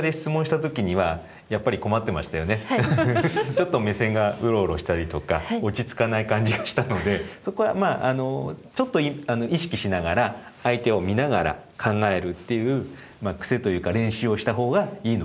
ちょっと目線がうろうろしたりとか落ち着かない感じがしたのでそこはちょっと意識しながら相手を見ながら考えるっていう癖というか練習をしたほうがいいのかもしれないですね。